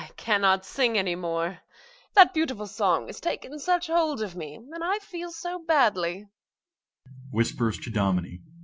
MRS. GOLD. I cannot sing any more. That beautiful song has taken such hold of me, and I feel so badly.